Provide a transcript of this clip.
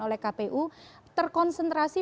oleh kpu terkonsentrasi